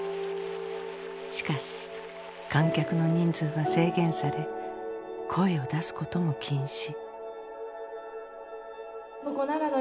しかし観客の人数は制限され声を出すことも禁止。